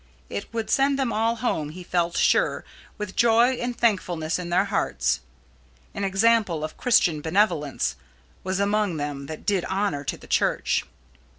It would send them all home, he felt sure, with joy and thankfulness in their hearts. An example of Christian benevolence was among them that did honour to the Church.